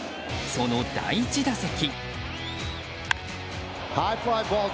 その第１打席。